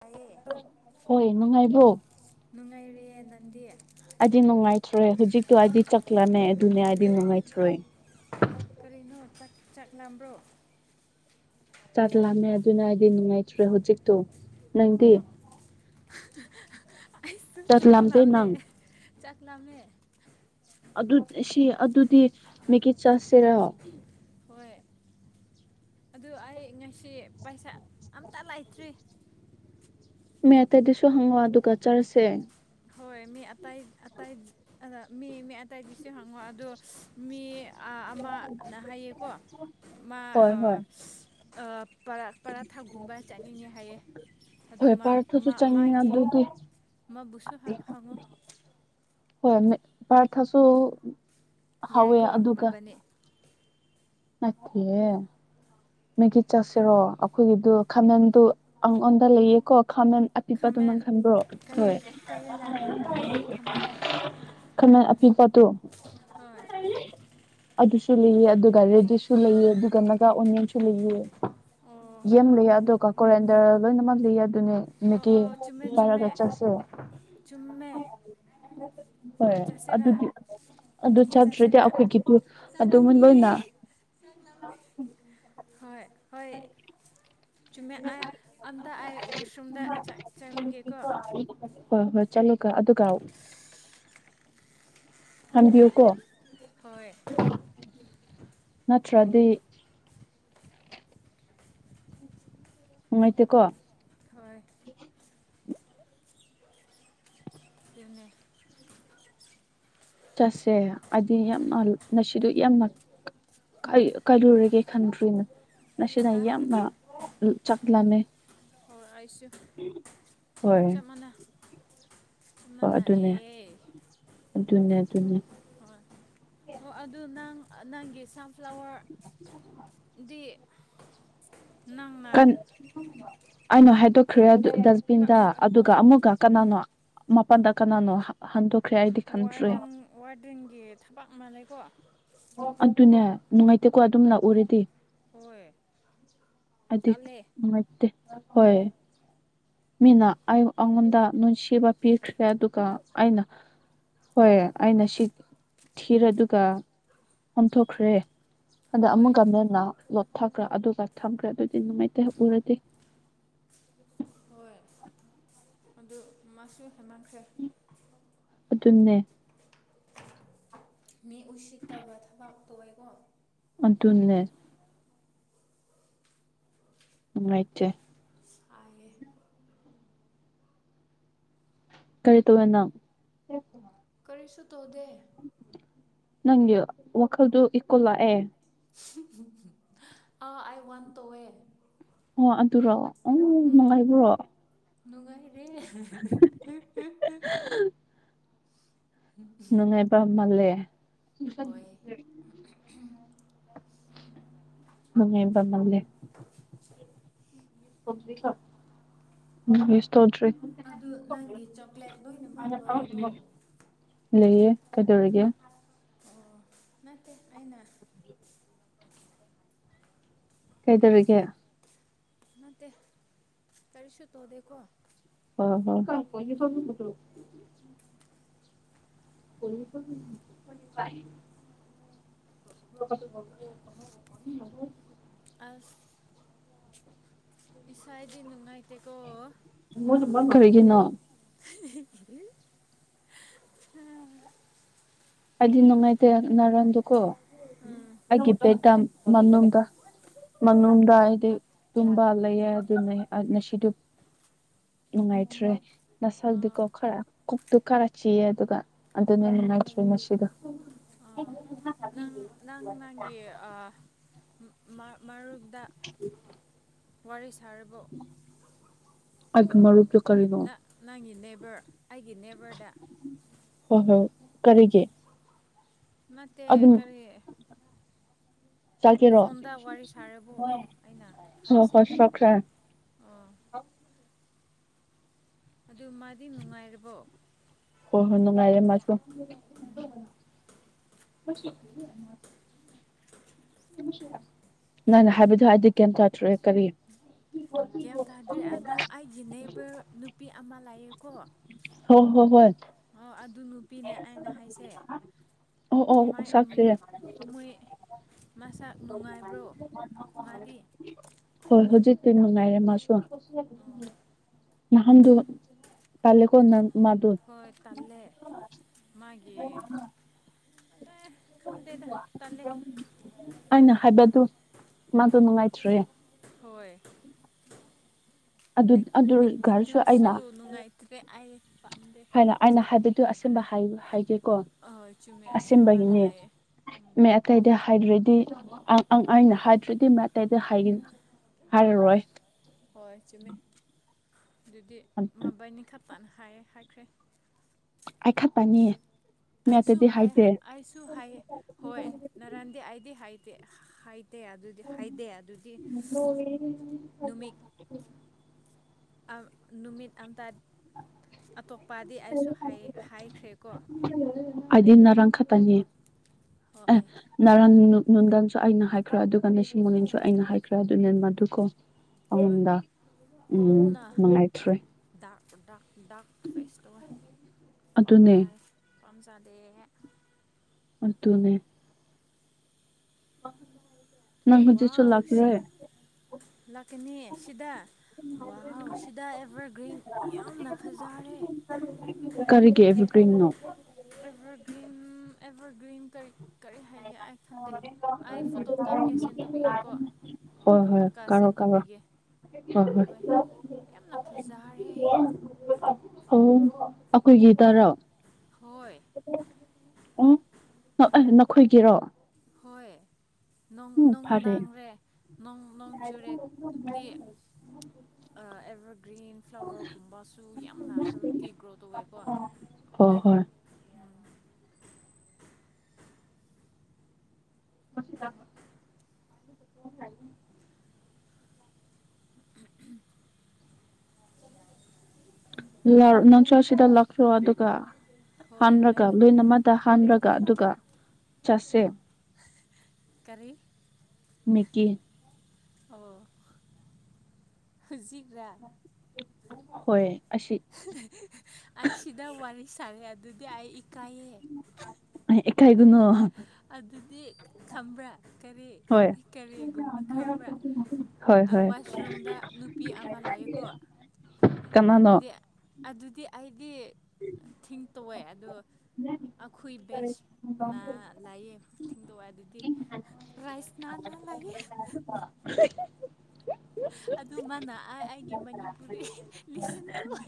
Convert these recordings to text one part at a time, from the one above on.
ꯇꯥꯏꯌꯦ [unintelligible] ꯍꯣꯏ ꯅꯨꯡꯉꯥꯏꯕ꯭ꯔꯣ ꯄꯦꯌꯦꯅꯟꯗꯦ꯫ ꯑꯩꯗꯤ ꯅꯨꯡꯉꯥꯏꯇ꯭ꯔꯦ ꯍꯧꯖꯤꯛꯇꯣ ꯑꯩꯗꯤ ꯆꯥꯛ ꯂꯥꯝꯃꯦ ꯑꯗꯨꯅꯦ ꯑꯩꯗꯤ ꯅꯨꯡꯉꯥꯏꯇ꯭ꯔꯦ꯫ ꯀꯔꯤꯅꯣ ꯆꯥꯛ ꯆꯥꯛ ꯂꯥꯝꯕ꯭ꯔꯣ꯫ ꯆꯛ ꯂꯥꯝꯃꯦ ꯑꯗꯨꯅ ꯑꯩꯗꯤ ꯅꯨꯡꯉꯥꯏꯇ꯭ꯔꯦ ꯍꯧꯖꯤꯛꯇꯣ ꯅꯪꯗꯤ꯫ [unintelligible] ꯆꯥꯛ ꯂꯥꯝꯗꯦ ꯅꯪ꯫ ꯆꯥꯛꯂꯥꯝꯃꯦ꯫ ꯑꯗꯨ ꯁꯤ ꯑꯗꯨꯗꯤ ꯃꯦꯒꯤ ꯆꯥꯁꯤꯔꯣ꯫ ꯍꯣꯏ ꯑꯗꯨ ꯑꯩ ꯉꯁꯤ ꯄꯩꯁꯥ ꯑꯝꯇ ꯂꯩꯇ꯭ꯔꯤ꯫ ꯃꯦꯇꯥꯗꯁꯨ ꯍꯪꯉꯣ ꯑꯗꯨꯒ ꯆꯥꯁꯦ꯫ ꯍꯣꯏ ꯃꯤ ꯑꯇꯩ ꯑꯇꯩ ꯃꯤ ꯃꯤ ꯑꯇꯩꯗꯁꯨ ꯍꯪꯉꯣ ꯑꯗꯨ ꯃꯤ ꯑ ꯑꯃꯅ ꯍꯥꯏꯌꯦꯀꯣ ꯃꯥ ꯍꯣꯏ ꯑ ꯍꯣꯏ ꯑ꯫ ꯄꯔꯥ ꯄꯔꯥꯊꯥꯒꯨꯝꯕ ꯆꯥꯅꯤꯡꯉꯦ ꯍꯥꯏꯌꯦ ꯑꯗꯨ ꯍꯣꯏ ꯄꯔꯥꯊꯥꯁꯨ ꯃꯥ ꯆꯪꯉꯦ ꯃꯥꯒꯤ ꯑꯗꯨꯗꯤ ꯃꯥꯕꯨꯁꯨ ꯍꯥ ꯍꯪꯉꯣ꯫ ꯍꯣꯏ [unintelligible] ꯄꯥꯔꯊꯤꯁꯨ ꯌꯥꯏꯀꯣ ꯃꯥꯕꯅꯤ꯫ ꯅꯠꯇꯦꯍꯦ ꯃꯦꯒꯤ ꯆꯥꯁꯤꯔꯣ ꯑꯩꯈꯣꯏꯒꯤꯗꯨ ꯈꯥꯃꯦꯟꯗꯨ ꯑꯩꯉꯣꯟꯗ ꯂꯩꯌꯦꯀꯣ ꯈꯥꯃꯦꯟ꯫ ꯑꯄꯤꯛꯄꯗꯨ ꯅꯪ ꯈꯥꯃꯦꯟ ꯈꯟꯕ꯭ꯔꯣ ꯀꯩ ꯍꯣꯏ ꯀꯩ ꯂꯩꯔꯦ ꯂꯩꯌꯦ ꯈꯥꯃꯦꯟ [unintelligible] ꯈꯥꯃꯦꯟ꯫ ꯄꯤꯛꯄꯇꯨ ꯍꯣꯏ [unintelligible] ꯑꯗꯨꯁ [unintelligible] ꯑꯗꯨꯒ ꯀꯦꯁꯨ ꯂꯩꯑꯦ ꯑꯗꯨꯒ ꯅꯒꯥ ꯑꯣꯅꯤꯌꯟꯁꯨ ꯂꯩꯑꯦ꯫ ꯑꯣ ꯌꯦꯝ ꯂꯩꯌꯥ [unintelligible] ꯀꯦꯔꯤꯌꯥꯟꯗꯔ ꯂꯣꯏꯅꯃꯛ ꯂꯩꯌꯦ꯫ ꯑꯗꯨꯅꯦ ꯑꯣ ꯑꯣ ꯆꯨꯝꯃꯦ [unintelligible] ꯆꯨꯝꯃꯦ ꯄꯥꯏꯔꯒ ꯆꯠꯁꯦ ꯆꯨꯝꯃꯦ ꯍꯣꯏ ꯑꯗꯨꯗꯤ ꯑꯗꯨ ꯃꯦꯒꯤ ꯆꯠꯇ꯭ꯔꯗꯤ ꯆꯥꯁꯤꯔꯥ ꯑꯩꯈꯣꯏꯒꯤꯗꯨ ꯆꯥꯅꯤꯡꯉꯦ [unintelligible] [unintelligible] ꯍꯣꯏ ꯍꯣꯏ꯫ ꯆꯨꯝꯃꯦ ꯑꯌꯥ ꯑꯝꯇ ꯑꯩ ꯋꯥꯁꯔꯨꯝꯗ ꯆꯠ ꯑꯁꯣꯝꯗ ꯆꯠꯂꯨꯒꯦꯀꯣ [unintelligible] ꯍꯣꯏ ꯍꯣꯏ ꯆꯠꯂꯨꯒ ꯑꯗꯨꯒ꯫ ꯍꯟꯕꯤꯌꯨꯀꯣ꯫ ꯍꯣꯏ꯫ ꯅꯠꯇ꯭ꯔꯗꯤ꯫ ꯅꯨꯡꯉꯥꯏꯇꯦꯀꯣ ꯍꯣꯏ [unintelligible] ꯆꯠꯁꯦ ꯍꯥꯏꯗꯤ ꯌꯥꯝꯅ ꯃꯁꯤꯗ ꯌꯥꯝꯅ ꯀꯥꯏꯂꯨꯔꯒꯦ ꯈꯟꯗ꯭ꯔꯤꯅ ꯅꯁꯤꯗ ꯍꯥ ꯌꯥꯝꯃ ꯆꯠꯂꯅꯦ ꯍꯣꯏ [unintelligible] ꯍꯣꯏ ꯃꯅꯥ ꯑꯗꯨꯅꯦ ꯑꯗꯨꯅꯦ ꯑꯗꯨꯅꯦ ꯍꯣꯏ ꯍ ꯑꯗꯨ ꯅꯪ ꯅꯪꯒꯤ ꯁꯟꯐ꯭ꯂꯥꯋꯔ ꯗꯤ ꯅꯪꯅ ꯀꯟ ꯑꯩꯅ ꯍꯥꯏꯗꯣꯛꯈ꯭ꯔꯦ ꯑꯗꯨ ꯗꯁꯕꯤꯟꯗ ꯑꯗꯨꯒ ꯑꯣ ꯑꯃꯨꯛꯒ ꯀꯅꯥꯅꯣ ꯃꯄꯥꯟꯗ ꯀꯅꯥꯅꯣ ꯍꯟꯗꯣ ꯋꯥꯔꯇꯟ ꯋꯥꯔꯗꯤꯟꯒꯤ ꯊꯕꯛ ꯑꯃ ꯂꯩꯩꯀꯣ ꯑꯗꯨꯅꯦ ꯅꯨꯡꯉꯥꯏꯇꯦꯀꯣ ꯑꯗꯨꯝ ꯎꯔꯗꯤ ꯍꯣꯏ ꯑꯗꯤꯛ ꯇꯜꯂꯦ ꯃ ꯗꯤ ꯍꯣꯏ ꯃꯤꯅ ꯑꯩ ꯑꯩꯉꯣꯟꯗ ꯅꯨꯡꯁꯤꯕ ꯄꯤꯈ꯭ꯔꯦ ꯑꯗꯨꯒ ꯑꯩꯅ ꯍꯣꯏ ꯑꯩꯅ ꯁꯤ ꯊꯤꯔꯦ ꯑꯗꯨꯒ ꯑꯣꯟꯊꯣꯛꯈ꯭ꯔꯦ ꯑꯗ ꯍꯣꯏ ꯑꯃꯨꯛꯀꯅꯗ ꯅ ꯂꯣꯠ ꯊꯈ꯭ꯔ ꯑꯗꯨ ꯊꯝꯈ꯭ꯔꯦ ꯑꯗꯨꯗꯤ ꯅꯨꯡꯉꯥꯏꯇ ꯎꯔꯗꯤꯦ ꯍꯣꯏ ꯑꯗꯨ ꯃꯥꯁꯨ ꯍꯦꯟꯃꯟꯈ꯭ꯔꯦ ꯑꯗꯨꯟꯅꯦ ꯃꯤ ꯎꯁꯤꯠꯇꯕ ꯊꯕꯛ ꯇꯣꯑꯀꯣ ꯑꯗꯨꯅꯦ [unintelligible] ꯏꯇꯦ ꯁꯥꯏ ꯌꯦ ꯀꯔꯤ ꯇꯧꯌꯦ ꯅꯪ ꯀꯔꯤꯁꯨ ꯇꯣꯗꯦ ꯅꯪꯒꯤ ꯋꯥꯈꯜꯗꯨ ꯏꯀꯣꯂ ꯂꯥꯛ ꯑꯦ ꯑ ꯑꯥꯏ ꯋꯥꯟ ꯇꯣꯋꯦ ꯑꯣ ꯑꯗꯨꯔꯣꯑꯣ ꯎ ꯅꯨꯡꯉꯥꯏꯕ꯭ꯔꯣ ꯅꯨꯉꯥꯏꯍꯦ [inaudible] ꯅꯨꯡꯉꯥꯏꯕ ꯃꯜꯂꯦ ꯁ ꯍꯣꯏ [unintelligible] ꯃꯃꯦꯕ ꯃꯥꯜꯦ ꯎꯝꯁ ꯇꯧꯗ꯭ꯔꯔꯤ ꯑꯗꯨ ꯅꯪꯒꯤ ꯆꯣꯀ꯭ꯂꯦꯠ ꯂꯣꯏꯅꯃꯛ ꯂꯣꯏꯔꯕꯣ ꯂꯩꯌꯦ ꯀꯩꯗꯧꯔꯒꯦ ꯑꯣ ꯅꯠꯇꯦ ꯑꯩꯅ ꯀꯩꯗꯧꯔꯤꯒ ꯅꯠꯇꯦ ꯇꯔꯤꯁꯨ ꯇꯣꯗꯦꯀꯣ ꯥꯏ ꯁ ꯀ ꯄ ꯁꯨ ꯑꯁ ꯏꯁꯁꯥꯏꯗꯤꯅꯅ ꯃꯁꯨ ꯃ ꯈꯔꯔꯤꯒꯅ ꯑꯗꯤꯤꯟ ꯅꯪꯥꯏꯇ ꯅꯔꯟꯗꯨꯀꯣ ꯎꯝ ꯍꯥꯏꯒꯤ ꯄꯦ ꯀꯝ ꯃꯅꯨꯡꯗ ꯃꯅꯨꯡꯗ ꯑꯩꯗꯤ ꯇꯨꯝꯕ ꯂꯩꯌꯦ ꯑꯗꯨꯅꯦ ꯉꯁꯤꯗꯤ ꯅꯨꯡꯉꯥꯏꯇ꯭ꯔꯦ ꯅ ꯑꯥ ꯆꯛꯗꯤꯀꯣ ꯈꯔ ꯑꯗꯨ ꯈꯔ ꯆꯤꯑ ꯑꯗꯨꯒ ꯑꯗꯨꯅ ꯉꯁꯤꯗꯣ ꯑ ꯅꯪ ꯅꯪ ꯅꯪꯒꯤ ꯃꯥ ꯃꯥꯔ [unintelligible] ꯋꯥꯔꯤꯁ ꯑ ꯃꯔꯔ ꯄ ꯀꯗ [unintelligible] ꯑꯩꯒꯤ ꯅꯦꯕꯔꯗ ꯍꯣꯏ ꯍꯣ ꯀꯔꯤꯒꯦ ꯅꯠꯇꯦ ꯀꯔꯤ ꯆꯥꯒꯦꯔꯣ ꯐꯣꯟꯗ ꯋꯥꯔꯤ ꯁꯥꯔꯕꯣ ꯑꯩꯅ ꯍꯣꯏ ꯍꯥꯏꯁꯦ ꯍꯣꯏ ꯆꯥꯈ꯭ꯔꯦ ꯑꯣꯥ ꯑꯗꯨ ꯃꯥꯗꯤ ꯅꯨꯡꯉꯥꯏꯔꯕꯣ ꯍꯣꯏ ꯍꯣꯏ [unintelligible] ꯅꯅꯦ ꯍꯥꯏꯕꯗꯤ ꯍꯥꯏꯗꯤ ꯀꯩꯝ ꯇꯥꯊ꯭ꯔꯑꯦ ꯀꯔꯤ ꯀꯩ ꯇꯥꯗ꯭ꯔꯦ ꯑꯗꯨ ꯑꯩꯒꯤ ꯅꯩꯕ ꯅꯨꯄꯤ ꯑꯃ ꯂꯥꯛꯌꯦ ꯀꯣ ꯍꯣꯏ ꯍꯣꯏ ꯍꯣꯏ ꯑꯣ ꯑꯗꯨ ꯅꯨꯄꯤꯅꯦ ꯑꯩꯅ ꯍꯥꯏꯁꯦ ꯑꯣ ꯑꯣ ꯃꯥꯏ ꯆꯥꯈ꯭ꯔꯦ ꯃꯣꯏ ꯃꯁꯛ ꯅꯨꯡꯉꯥꯏꯕ꯭ꯔꯣ ꯃꯥꯗꯤ ꯍꯣꯏ ꯍꯧꯖꯤꯛ ꯑꯗꯨ ꯅꯨꯡꯉꯥꯏꯔꯦ ꯃꯥꯁꯨ ꯑꯣ ꯅꯍꯥꯟꯗꯨ ꯇꯥꯂꯦꯀꯣꯟ ꯅꯪ ꯃꯥꯗꯨ ꯍꯣꯏ ꯇꯂꯦ ꯃꯥꯒꯤ ꯈꯪꯗꯦꯗ ꯇꯜꯂꯦ ꯑꯩꯅ ꯍꯥꯏꯕꯗꯨ ꯃꯥꯗꯨ ꯅꯨꯡꯉꯥꯏꯇ꯭꯭ꯔꯦ ꯍꯣꯏ ꯑꯗꯨ ꯑꯦ ꯑꯦꯛꯇꯤ ꯑꯗꯨꯒꯔꯁꯨ ꯇꯤꯠꯁꯨ ꯑꯩꯅ ꯅꯨꯡꯉꯥꯏꯇꯦ ꯑ ꯍꯥꯏꯅ ꯑꯩꯅ ꯍꯥꯏꯕꯗꯨ ꯑꯁ ꯍꯥꯏ ꯍꯦ ꯀꯣ ꯑꯍꯣꯏ ꯆꯨꯝꯃꯦ ꯑꯁꯦꯡꯕꯅ ꯑꯁꯕꯒꯤꯅꯦ ꯍꯥꯏꯌꯦ ꯃ ꯑꯇꯩꯗ ꯍꯥꯏꯗ꯭ꯔꯗꯤ ꯑꯩꯅ ꯍꯥꯏꯗ꯭ꯔꯗꯤ ꯃꯇꯇꯩꯗ ꯍꯥꯏꯒꯅ ꯍꯣꯏ ꯍꯣꯏ ꯍ ꯆꯨꯝꯃꯦ ꯑꯗꯨꯗꯤ ꯃꯕꯥꯅꯤ ꯈ ꯇꯅ ꯍꯥꯏ ꯍꯥꯏꯈ꯭ꯔꯦ ꯑ ꯈꯠ ꯇꯅꯤ ꯑꯩꯁꯨ ꯍꯥꯏ ꯑꯩꯁꯨ ꯍꯥꯏ ꯍꯣꯏ ꯅꯔꯥꯟꯗꯤ ꯑꯩꯗꯤ ꯍꯥꯏꯗꯦ ꯍꯥꯏꯥꯏ ꯐꯠꯇꯦ ꯑꯗꯨꯗꯤ ꯍꯥꯏꯗꯦ ꯑꯗꯨꯗꯤ ꯅꯨꯃꯤꯠ ꯅꯨꯃꯤꯠ ꯑꯗꯥ ꯑꯇꯣꯞꯄꯗꯤ ꯑꯩꯁꯨ ꯍꯥꯏꯈ꯭ꯔꯦꯀꯣ ꯍꯥꯏꯗꯤ ꯅꯔꯥꯡ ꯈꯛꯇꯅꯤ ꯑ ꯍꯣꯏ ꯅꯔ ꯅꯨꯡꯗꯟꯁꯨ ꯑꯩꯅ ꯍꯥꯏꯈ꯭ꯔꯦ ꯑꯗꯨꯒ ꯂꯤꯁꯤꯡ ꯃꯅꯤꯟꯁꯨ ꯑꯩꯅ ꯍꯥꯏꯈ꯭ꯔꯦ ꯑꯗꯨꯅꯤ ꯃꯗꯨꯀꯣ ꯍꯣꯏ ꯑꯗ ꯎꯝ ꯃꯉꯥꯏꯇ꯭ꯔꯔꯤ ꯆꯗꯥ ꯥꯛ ꯐꯦꯁꯇ ꯑꯗꯨꯅꯦ ꯄꯝꯗ ꯄꯝꯖꯗꯦ ꯇꯅꯦ ꯑ ꯅꯪ ꯍꯧꯖꯤꯦ ꯋꯥꯎ ꯆꯣꯜꯈ꯭ꯔꯦ ꯁꯤ ꯂꯥꯛꯀꯅꯤ ꯁꯤꯗ ꯋꯥꯍꯥꯎꯁꯤꯗ ꯑꯦꯚꯔꯒ꯭ꯔꯤꯟ ꯌꯥꯝꯅ ꯐꯖꯔꯦ ꯄꯅꯣ ꯑꯦꯚꯔꯒ꯭ꯔꯤꯝ ꯑꯦꯚꯔ ꯭ꯔꯤꯟ ꯇꯥꯏ ꯐꯣꯇꯣ ꯀꯥꯞꯀꯦ ꯁꯦꯟ ꯇꯧꯕꯤꯒꯦꯀꯣ ꯍ ꯍꯣꯏ ꯀꯞꯄꯀꯥ ꯀꯥꯣ ꯁꯦꯟ ꯀꯥꯣ ꯇꯧꯕꯤꯒꯦ ꯍ ꯍ ꯍꯣꯏ ꯌꯥꯝꯅ ꯐꯖꯔꯦ ꯑ ꯑꯩꯈꯣꯏꯒꯤ ꯇꯔꯥ ꯍꯣꯏ ꯎ ꯈꯣꯏꯒꯤꯔꯣ ꯅꯨꯡ ꯐꯔꯦ ꯅꯨꯡꯗꯥꯥꯡ ꯔꯦ ꯣꯡ ꯅꯣꯡ ꯆꯨꯔꯦꯗꯤ ꯑꯦꯕꯔ ꯒ꯭ꯔꯤꯟ ꯐ꯭ꯂꯥꯋꯔꯒꯨꯝꯕꯁꯨ ꯌꯥꯝꯅ ꯍꯦꯜꯗꯤꯤ ꯒ꯭ꯔꯣ ꯇꯧꯋꯦꯀꯣ ꯍꯣꯏ ꯍꯣꯏ ꯎ ꯃꯁꯗ ꯅꯪꯁ ꯁꯤꯗ ꯂꯥꯛꯈꯣ ꯑꯗꯨꯒ ꯍꯣꯏ ꯑꯩ ꯍꯜꯔꯒ ꯂꯣꯏꯟ ꯂꯥꯛꯀꯅꯤ ꯑꯃꯗ ꯍꯟꯔꯒ ꯑꯗꯨꯒ ꯆꯥꯁꯦ ꯀꯔꯤ ꯃꯀꯤ ꯑꯣ ꯍꯧꯖꯤꯒ꯭ꯔꯥ ꯍꯣꯏ ꯑꯁꯤ ꯑꯩ ꯁꯤꯗ ꯋꯥꯔꯤꯂꯤꯁꯤ ꯆꯂꯦ ꯑꯗꯨꯗꯤ ꯑꯩ ꯏꯀꯥꯏꯑꯦ ꯑꯦ ꯀꯥꯏꯗꯨꯅꯣ ꯑꯗꯨꯗꯤ ꯈꯪꯕ꯭ꯔꯥ ꯀꯔꯤ ꯍꯣꯏ ꯀꯔꯤꯒꯨꯝꯕ ꯈꯪꯕ꯭ꯔ ꯍꯣꯏ ꯍꯣꯏ ꯋꯥꯁꯔꯨꯝꯗ ꯅꯨꯄꯤ ꯑꯃ ꯂꯥꯛꯑꯀꯣ ꯀꯅꯥꯅꯣ ꯑꯗꯨꯗꯤ ꯑꯗꯨꯗꯤ ꯑꯩ ꯒꯤꯗꯤ ꯊꯤꯡ ꯇꯧꯋꯦ ꯑꯗꯨ ꯑꯩꯈꯣꯏ ꯕꯦꯁꯅ ꯑ ꯊꯤꯡꯗꯣꯛꯑꯦ ꯑꯗꯨꯗꯤ ꯔꯥꯏꯁ ꯅꯥ ꯂꯑ [inaudible] ꯑꯩꯒꯤ ꯃꯅꯤꯄꯨꯔꯤ ꯂꯤꯁꯟ ꯇꯧꯋꯦ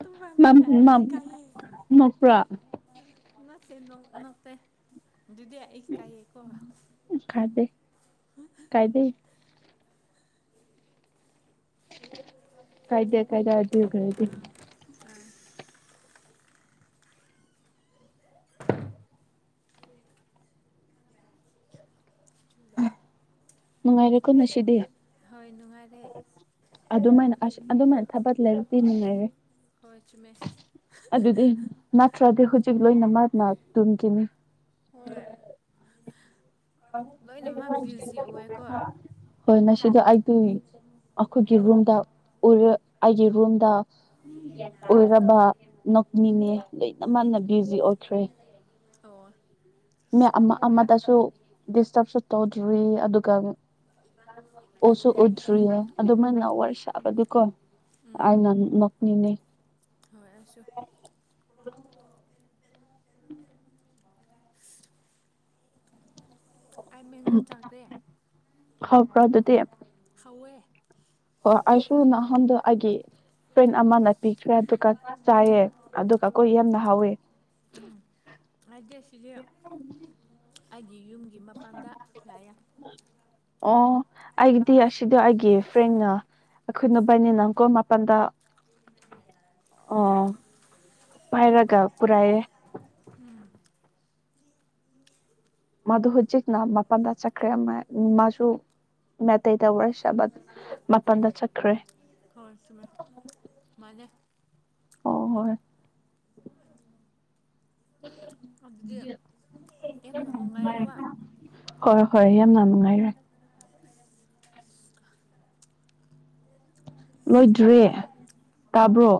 ꯇꯨꯃ ꯃ ꯃꯝ ꯑ ꯃꯝ ꯀꯥꯏ ꯅꯣꯛꯄ꯭ꯔꯥ ꯅ ꯅꯠꯇꯦ ꯗꯨꯗꯤꯌꯥ ꯑꯦꯀꯏꯀ ꯀꯥꯏꯗ ꯀꯥꯏꯗꯦ ꯀꯥꯏꯗ ꯑꯗꯨ ꯑꯣꯏꯒꯗꯤ ꯑꯥ ꯆꯨꯂꯦ ꯅꯨꯡꯉꯥꯏꯔꯦꯀꯣ ꯅꯁꯤꯗꯤ ꯅꯨꯡꯉꯥꯏꯔꯦ ꯑꯗꯨꯃꯥꯏꯅ ꯑꯁ ꯑꯗꯨꯃꯥꯏꯅ ꯊꯕꯛ ꯂꯩꯔꯗꯤꯤ ꯉꯥꯏꯔꯦ ꯍꯣꯏ ꯆꯨꯝꯃꯦ ꯑꯗꯨꯗꯤ ꯅꯠꯇ꯭ꯔꯗꯤ ꯍꯧꯖꯤꯛ ꯂꯣꯏꯅꯃꯛꯅ ꯇꯨꯝꯈꯤꯅꯤ ꯍꯣꯏ ꯂꯣꯏꯅꯃꯛ ꯕ꯭ꯌꯨꯖꯤ ꯑꯣꯏꯌꯦꯀꯣ ꯑꯣ ꯍꯣꯏ ꯅ ꯁꯤꯗ ꯑꯩꯗꯤ ꯑꯩꯈꯣꯏꯒꯤ ꯔꯨꯝꯗꯔ ꯑꯩꯒꯤ ꯔꯨꯝꯗ ꯑꯣꯏꯔꯕ ꯅꯣꯛꯅꯤꯅꯦ ꯂꯣꯏꯅ ꯃꯥꯟꯅ ꯕꯤ ꯖꯤ ꯑꯣꯈ꯭ꯔꯦ ꯑꯣ [unintelligible] ꯃꯤ ꯑꯃ ꯑꯃꯗꯁꯨ ꯗꯤꯁꯇꯔꯕꯁꯨ ꯇꯧꯗ꯭ꯔꯤ ꯑꯗꯨꯒ ꯑꯣꯁꯨ ꯎꯗ꯭ꯔꯤꯌꯦ ꯑꯗꯨꯃꯥꯏꯅ ꯋꯥꯔꯤ ꯁꯥꯕꯗꯨꯀꯣ ꯑꯩꯅ ꯅꯣꯛꯅꯤꯡꯉꯩ ꯍꯣꯏ ꯑꯩꯁꯨ [unintelligible] ꯑꯩ ꯃꯦꯡꯒꯣ ꯆꯥꯈ꯭ꯔꯦ ꯍꯕ꯭ꯔ ꯑꯗꯨꯗꯤ ꯊꯧꯋꯦ [unintelligible] ꯑꯣ ꯑꯩꯁꯨ ꯅꯍꯣꯟꯗ ꯑꯩꯒꯤ ꯐ꯭ꯔꯦꯟ ꯑꯃꯅ ꯄꯤꯈ꯭ꯔꯦ ꯑꯗꯨꯒ ꯆꯥꯏꯌꯦ ꯑꯗꯨꯒ ꯀꫭ ꯌꯥꯝꯅ ꯍꯥꯎꯋꯤ ꯎꯝ ꯍꯥꯏ [unintelligible] ꯌꯨꯝꯒꯤ ꯃꯄꯥꯟꯗ ꯉꯥꯏꯌ‌ꯦ ꯑꯣ ꯑꯩꯒꯤꯗꯤ ꯑꯁꯤꯗ ꯑꯩꯒꯤ ꯐ꯭ꯔꯦꯡꯅ ꯑꯩꯈꯣꯏꯅ ꯕꯥꯏꯅꯤ ꯅꯪ ꯀꯣꯜ ꯃꯥꯄꯜꯗ ꯑꯣ ꯄꯥꯏꯔꯒ ꯄꯨꯔꯥꯏꯑꯦ ꯎꯝ ꯃꯗꯨ ꯍꯧꯖꯤꯛꯅ ꯃꯄꯜꯗ ꯆꯠꯈ꯭ꯔꯦ ꯃꯥꯁꯨ ꯃꯩꯇꯩꯗ ꯋꯥꯔꯤꯔꯁꯕ ꯃꯄꯜꯗ ꯆꯠꯈ꯭ꯔꯦ ꯍꯣꯏ ꯆꯨꯝꯃꯦ ꯃꯥꯅꯦ ꯍ ꯍꯣꯏ ꯑꯗꯨꯗꯤ ꯌꯥꯝꯅ ꯅꯨꯡꯉꯥꯏꯔꯦꯀꯣ ꯍꯣꯏ ꯍꯣꯏ ꯌꯥꯝꯅ ꯅꯨꯡꯉꯥꯏꯔꯦ ꯂꯣꯏꯗ꯭ꯔꯤ ꯇꯥꯕ꯭ꯔꯣ